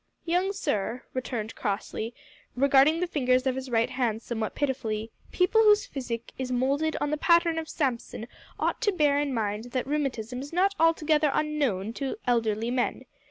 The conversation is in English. "Young sir," returned Crossley, regarding the fingers of his right hand somewhat pitifully, "people whose physique is moulded on the pattern of Samson ought to bear in mind that rheumatism is not altogether unknown to elderly men.